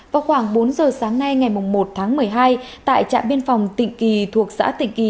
vào khoảng bốn giờ sáng nay ngày một tháng một mươi hai tại trạm biên phòng tịnh kỳ thuộc xã tịnh kỳ